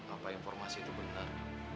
apa informasi itu benar